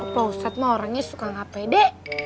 opa ustadz mah orangnya suka gak pede